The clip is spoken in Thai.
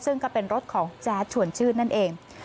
ซึ่งก็เป็นรถของแจ๊ดชวนชื่นนั่นเอง